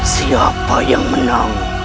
siapa yang menang